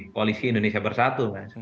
koalisi indonesia bersatu